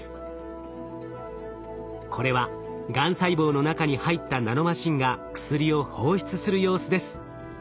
これはがん細胞の中に入ったナノマシンが薬を放出する様子です。